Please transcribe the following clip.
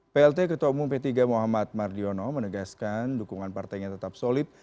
plt ketua umum p tiga muhammad mardiono menegaskan dukungan partainya tetap solid